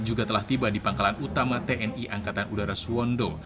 juga telah tiba di pangkalan utama tni angkatan udara suwondo